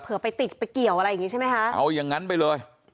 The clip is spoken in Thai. ไปติดไปเกี่ยวอะไรอย่างงี้ใช่ไหมคะเอาอย่างนั้นไปเลย